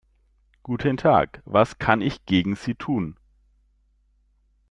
Guten Tag, was kann ich gegen Sie tun?